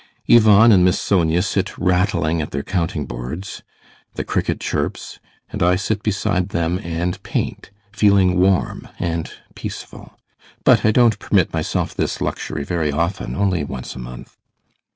Ivan and Miss Sonia sit rattling at their counting boards, the cricket chirps, and I sit beside them and paint, feeling warm and peaceful. But I don't permit myself this luxury very often, only once a month.